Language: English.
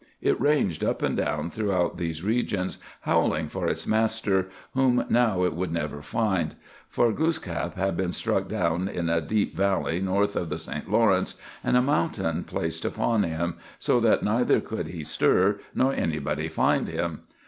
It ranged up and down throughout these regions, howling for its master, whom now it would never find. For Gluskâp had been struck down in a deep valley north of the St. Lawrence, and a mountain placed upon him, so that neither could he stir nor anybody find him.